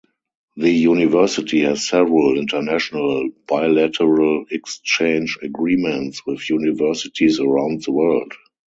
The university has several international bilateral exchange agreements with Universities around the world.